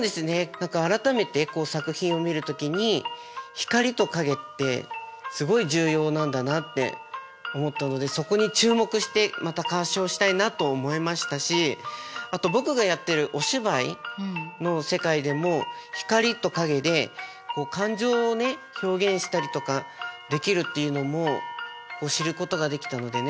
何か改めて作品を見る時に光と影ってすごい重要なんだなって思ったのでそこに注目してまた鑑賞したいなと思いましたしあと僕がやってるお芝居の世界でも光と影で感情をね表現したりとかできるっていうのも知ることができたのでね